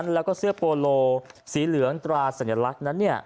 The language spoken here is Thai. และเสื้อโปโลสีเหลืองตราสัญลักษณ์